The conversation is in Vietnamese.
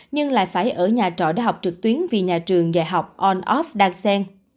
nhưng lại phải ở nhà trọ đại học trực tuyến vì nhà trường dạy học on off đang sen